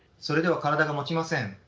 それでは体がもちません。